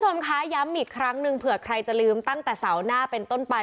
คุณผู้ชมคะย้ำอีกครั้งหนึ่งเผื่อใครจะลืมตั้งแต่เสาร์หน้าเป็นต้นไป